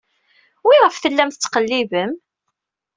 Wiɣef tellam tettqellibem?